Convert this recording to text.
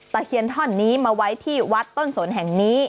เคียนท่อนนี้มาไว้ที่วัดต้นสนแห่งนี้